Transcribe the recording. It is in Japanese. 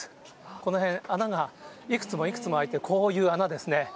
この辺、穴がいくつもいくつも開いて、こういう穴ですね。